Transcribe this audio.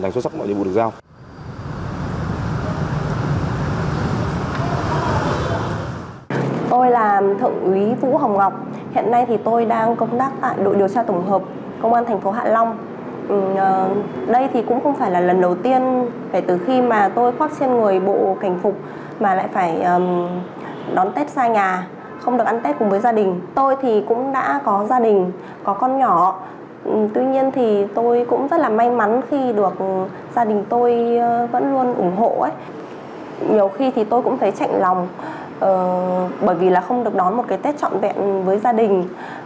nhiều khi thì tôi cũng thấy chạy lòng bởi vì là không được đón một cái tết trọn vẹn với gia đình